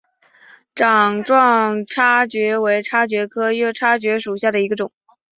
掌状叉蕨为叉蕨科叉蕨属下的一个种。